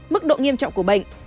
mức độ nghiêm trọng của bệnh